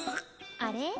あれ？